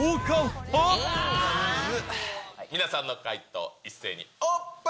皆さんの回答、一斉にオープン。